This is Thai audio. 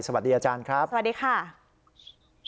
สวัสดีอาจารย์ครับสวัสดีค่ะสวัสดีครับ